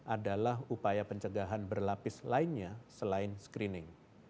adalah upaya pencegahan berlapis lainnya selain screening